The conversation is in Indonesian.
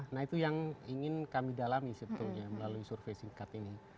nah itu yang ingin kami dalami sebetulnya melalui survei singkat ini